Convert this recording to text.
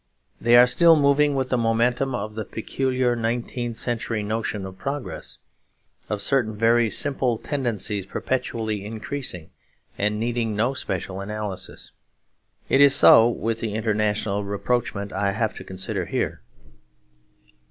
They are still moving with the momentum of the peculiar nineteenth century notion of progress; of certain very simple tendencies perpetually increasing and needing no special analysis. It is so with the international rapprochement I have to consider here.